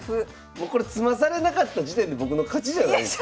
もうこれ詰まされなかった時点で僕の勝ちじゃないですか？